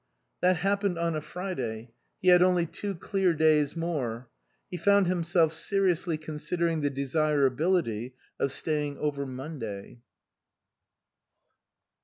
That happened on a Friday. He had only two clear days more. He found himself seri ously considering the desirability of staying over Monday.